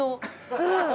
うん。